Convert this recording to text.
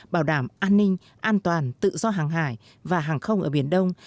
bảo đảm an ninh an toàn tự do hàng hải và hàng không ở biển đông